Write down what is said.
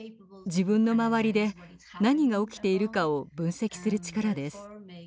自分の周りで何が起きているかを分析する力です。